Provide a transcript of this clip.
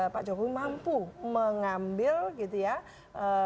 pak jokowi mampu mengambil gini dan itu untuk siap penuh